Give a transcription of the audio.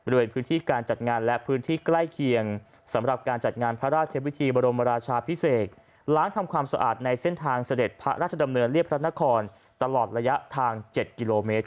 บริเวณพื้นที่การจัดงานและพื้นที่ใกล้เคียงสำหรับการจัดงานพระราชวิธีบรมราชาพิเศษล้างทำความสะอาดในเส้นทางเสด็จพระราชดำเนินเรียบพระนครตลอดระยะทาง๗กิโลเมตร